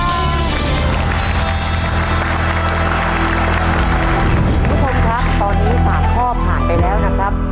คุณผู้ชมครับตอนนี้๓ข้อผ่านไปแล้วนะครับ